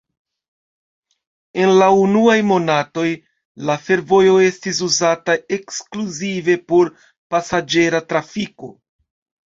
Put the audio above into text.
En la unuaj monatoj, la fervojo estis uzata ekskluzive por pasaĝera trafiko.